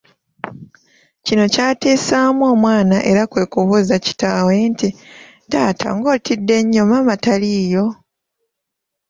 Kino kyatiisaamu omwana era kwe kubuuza kitaawe nti, “Taata ng’otidde nnyo, maama taliiyo?”